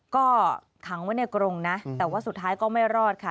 ก็ขังไว้ในกรงนะแต่ว่าสุดท้ายก็ไม่รอดค่ะ